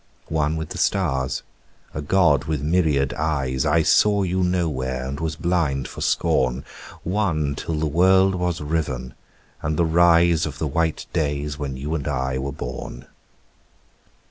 One with the stars, a god with myriad eyes, I saw you nowhere and was blind for scorn: One till the world was riven and the rise Of the white days when you and I were born.